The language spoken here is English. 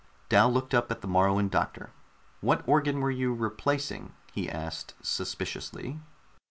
Dal looked up at the Moruan doctor. "What organ were you replacing?" he asked suspiciously.